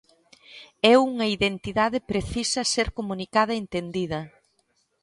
E unha identidade precisa ser comunicada e entendida.